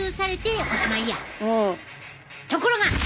ところが！